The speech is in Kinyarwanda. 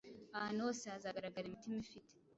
Ahantu hose hazagaragara imitima ifite